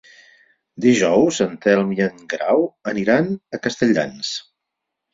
Dijous en Telm i en Guerau aniran a Castelldans.